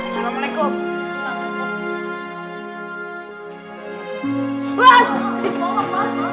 hmm kita pindah aja ya